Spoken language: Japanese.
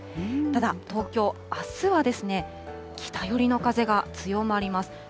ただ、東京、あすは北寄りの風が強まります。